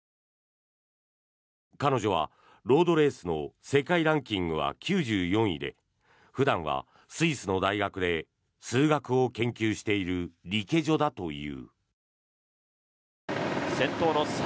彼女はロードレースの世界ランキングは９４位で普段はスイスの大学で数学を研究しているリケジョだという。